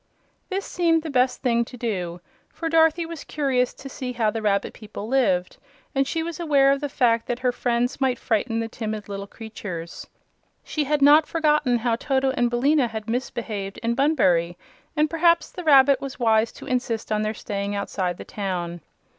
This seemed the best thing to do, for Dorothy was curious to see how the rabbit people lived and she was aware of the fact that her friends might frighten the timid little creatures. She had not forgotten how Toto and Billina had misbehaved in Bunbury, and perhaps the rabbit was wise to insist on their staying outside the town.